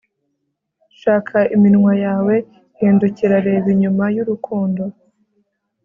shaka iminwa yawe, hindukira, reba inyuma y'urukundo